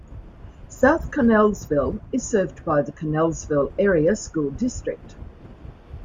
South Connellsville is served by the Connellsville Area School District.